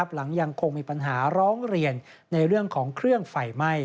หลังยังคงมีปัญหาร้องเรียนในเรื่องของเครื่องไฟไหม้